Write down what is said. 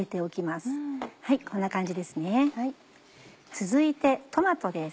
続いてトマトです。